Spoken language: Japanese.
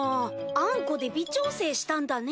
あんこで微調整したんだね。